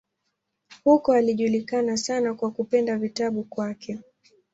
Huko alijulikana sana kwa kupenda vitabu kwake.